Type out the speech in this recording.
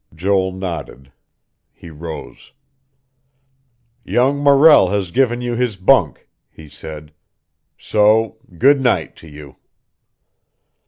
Joel nodded; he rose. "Young Morrell has given you his bunk," he said. "So good night, to you."